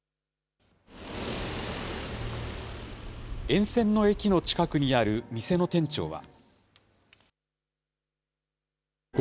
沿線の駅の近くにある店の店長は。